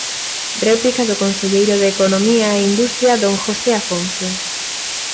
Réplica do conselleiro de Economía e Industria, don José Afonso.